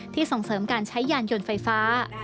ส่งเสริมการใช้ยานยนต์ไฟฟ้า